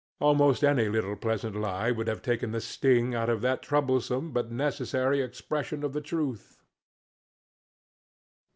Almost any little pleasant lie would have taken the sting out of that troublesome but necessary expression of the truth.